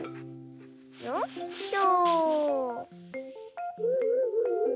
よいしょ。